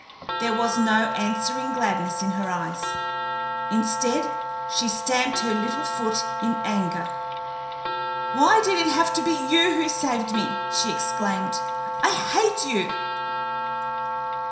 There was no answering gladness in her eyes. Instead, she stamped her little foot in anger. "Why did it have to be you who saved me!" she exclaimed. "I hate you!"